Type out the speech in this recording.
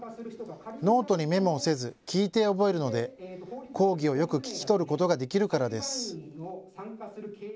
ノートにメモをせず、聞いて覚えるので、講義をよく聞き取ることができるからです。